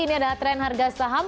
ini adalah tren harga saham